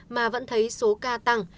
mà vẫn thấy số ca tăng